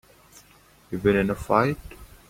You been in a fight?